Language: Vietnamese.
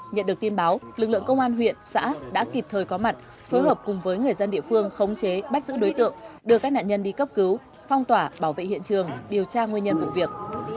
nhận được tin báo lực lượng công an huyện xã đã kịp thời có mặt phối hợp cùng với người dân địa phương khống chế bắt giữ đối tượng đưa các nạn nhân đi cấp cứu phong tỏa bảo vệ hiện trường điều tra nguyên nhân vụ việc